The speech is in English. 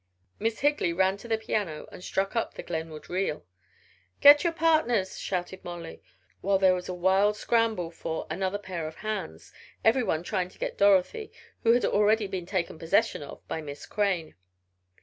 Miss Higley ran to the piano and struck up the "Glenwood Reel." "Get your partners!" shouted Molly, while there was a wild scramble for "another pair of hands," everyone trying to get Dorothy, who had already been taken possession of by Miss Crane.